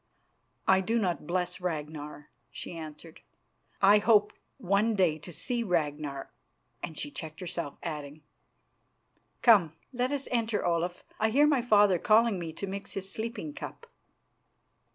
"I do not bless Ragnar," she answered. "I hope one day to see Ragnar " and she checked herself, adding: "Come, let us enter, Olaf. I hear my father calling me to mix his sleeping cup."